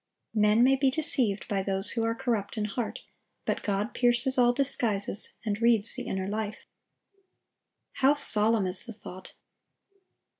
Men may be deceived by those who are corrupt in heart, but God pierces all disguises, and reads the inner life. How solemn is the thought!